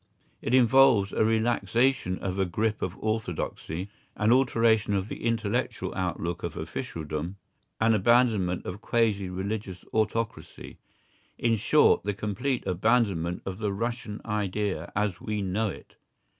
It involves a relaxation of the grip of orthodoxy, an alteration of the intellectual outlook of officialdom, an abandonment of quasi religious autocracy—in short, the complete abandonment of the "Russian idea" as we know it.